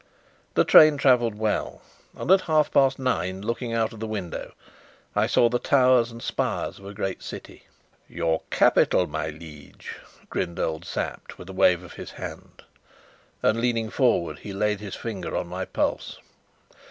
The train travelled well, and at half past nine, looking out of the window, I saw the towers and spires of a great city. "Your capital, my liege," grinned old Sapt, with a wave of his hand, and, leaning forward, he laid his finger on my pulse.